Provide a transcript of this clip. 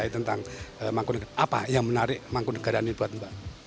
tentang apa yang menarik mangkunegaran ini buat mbak